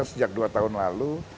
sudah sudah dua tahun lalu